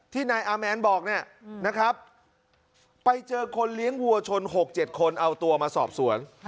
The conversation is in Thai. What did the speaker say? นายอาแมนบอกเนี่ยนะครับไปเจอคนเลี้ยงวัวชน๖๗คนเอาตัวมาสอบสวน